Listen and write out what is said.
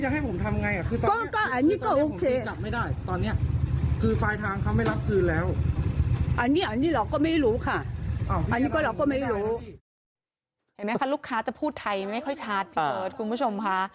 เห็นไหมคะลูกค้าจะพูดไทยไม่ค่อยชัดพี่เบิร์ตคุณผู้ชมค่ะ